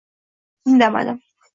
Indamadim.